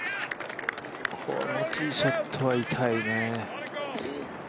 このティーショットは痛いね。